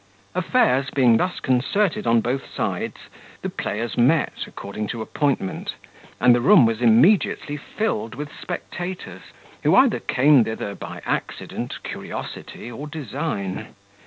Affairs being thus concerted on both sides, the players met, according to appointment, and the room was immediately filled with spectators, who either came thither by accident, curiosity, or design.